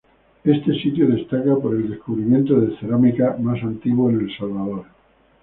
Este sitio destaca por el descubrimiento de cerámica más antiguo en El Salvador.